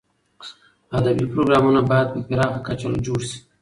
ادبي پروګرامونه باید په پراخه کچه جوړ شي.